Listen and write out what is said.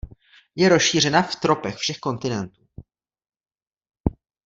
Je rozšířena v tropech všech kontinentů.